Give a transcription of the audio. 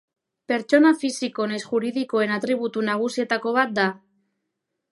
Pertsona fisiko nahiz juridikoen atributu nagusietako bat da.